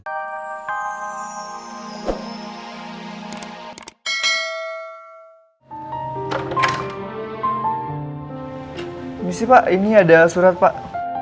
habis pak ini ada surat pak